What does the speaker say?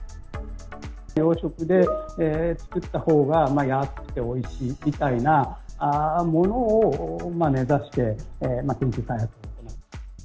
養殖で作ったほうが安くておいしいみたいなものを目指して、研究開発しています。